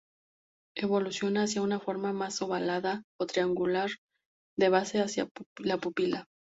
Evoluciona hacia una forma más ovalada, o triangular de base hacia la pupila.